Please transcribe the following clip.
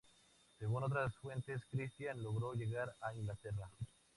Según otras fuentes, Christian logró llegar a Inglaterra.